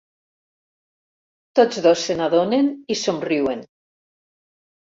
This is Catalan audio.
Tots dos se n'adonen i somriuen.